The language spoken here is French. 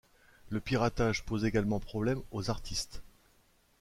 Le piratage pose également problème aux artistes.